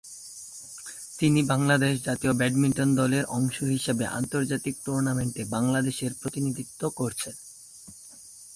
তিনি বাংলাদেশ জাতীয় ব্যাডমিন্টন দলের অংশ হিসেবে আন্তর্জাতিক টুর্নামেন্টে বাংলাদেশের প্রতিনিধিত্ব করেছেন।